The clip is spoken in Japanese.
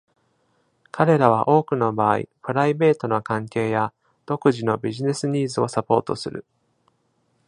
彼らは多くの場合、プライベートな関係や独自のビジネスニーズをサポートする。